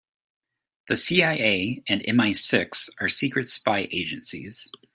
The CIA and MI-Six are secret spy agencies.